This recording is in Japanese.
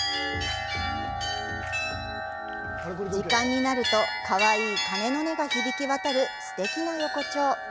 時間になると、かわいい鐘の音が響き渡るすてきな横丁。